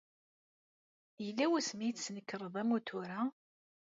Yella wasmi ay tesnekreḍ amutur-a?